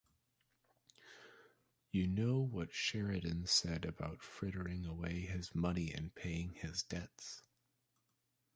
You know what Sheridan said about frittering away his money in paying his debts.